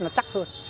nó chắc hơn